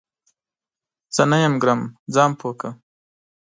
زه نه یم ګرم ، ځان پوه کړه !